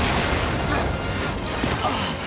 あっ！